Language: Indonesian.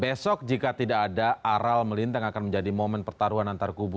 besok jika tidak ada aral melintang akan menjadi momen pertaruan antar kubu